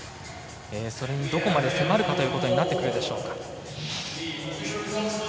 それにどこまで迫るかということになってくるでしょうか。